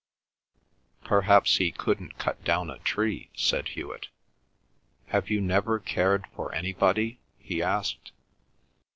"Perhaps he couldn't cut down a tree," said Hewet. "Have you never cared for anybody?" he asked.